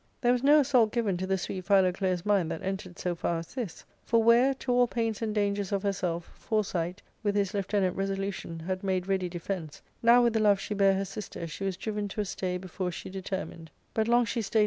There was no assault given to the sweet Philoclea's mind that entered so far as this ; for where^ to all pains and dangers of herself, foresight, with his lieutenant resolution, had made ready defence, now with the love she bare her sister she was driven to a stay before she determined ; but long she stayed Z 2 340 ARCADIA.^Book III.